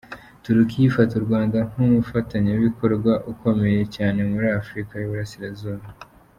Turukiya ifata u Rwanda nk’umufatanyabikorwa ukomeye cyane muri Afurika y’Uburasirazuba.